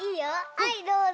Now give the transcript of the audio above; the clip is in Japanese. はいどうぞ。